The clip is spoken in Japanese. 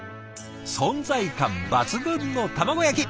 存在感抜群の卵焼き！